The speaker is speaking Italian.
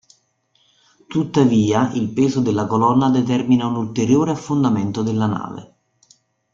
Tuttavia, il peso della colonna determina un ulteriore affondamento della nave.